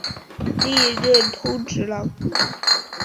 历任通直郎。